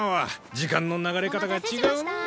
時間の流れ方が違うなぁ。